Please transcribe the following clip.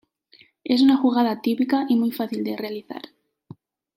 Es una jugada típica y muy fácil de realizar.